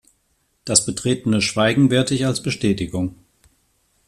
Das betretene Schweigen werte ich als Bestätigung.